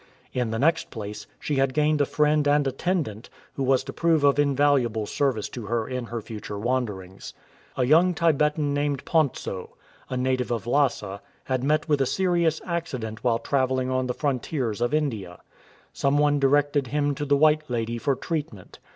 In the next place, she had gained a friend and attendant who was to prove of invaluable service to her in her future wanderings. A young Tibetan named Pontso, a native of Lhasa, had met with a serious accident while travelling on the frontiers of India. Some one directed him to the white lady for treatment.